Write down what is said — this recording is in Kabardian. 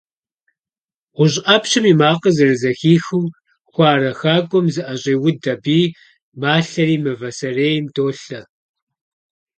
ГъущӀ Ӏэпщэм и макъыр зэрызэхихыу, хуарэ хакӀуэм зыӀэщӀеуд аби, малъэри мывэ сэрейм долъэ.